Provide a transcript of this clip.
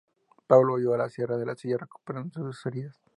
Pablo huyó a la Sierra de la silla, recuperándose de sus heridas.